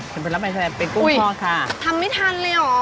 เทมปุระไทยแลนด์เป็นกุ้งทอดค่ะอุ้ยทำไม่ทันเลยเหรอค่ะ